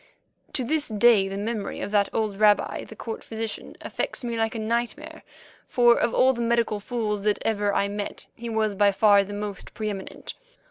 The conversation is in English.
To this day the memory of that old rabbi, the court physician, affects me like a nightmare, for of all the medical fools that ever I met he was by far the most pre eminent.